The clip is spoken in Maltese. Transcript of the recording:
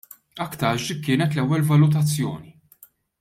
Aktarx dik kienet l-ewwel valutazzjoni.